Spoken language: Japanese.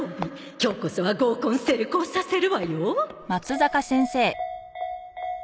今日こそは合コン成功させるわよ